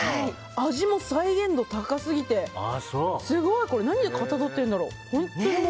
味も再現度高すぎて、すごい！何でかたどっているんだろう。